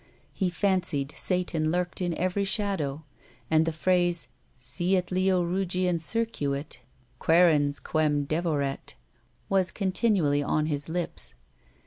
He fancied Satan lurked in every shadow, and the phrase Sie^it leo rugiens circuit, qucerens quern devoret was continually on his lips.